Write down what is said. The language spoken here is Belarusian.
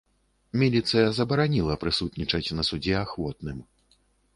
Міліцыя забараніла прысутнічаць на судзе ахвотным.